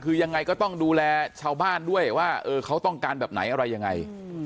คือยังไงก็ต้องดูแลชาวบ้านด้วยว่าเขาต้องการแบบไหนอะไรยังไง